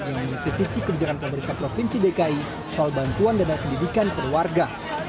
yang mengkritisi kebijakan pemerintah provinsi dki soal bantuan dana pendidikan keluarga